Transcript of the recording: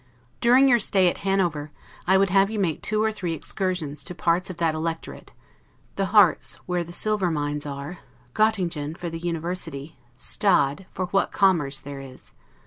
During your stay at Hanover I would have you make two or three excursions to parts of that Electorate: the Hartz, where the silver mines are; Gottingen, for the University; Stade, for what commerce there is.